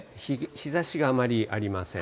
日ざしがあまりありません。